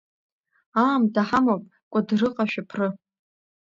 Аамҭа ҳамоуп, Кәыдрыҟа шәыԥры!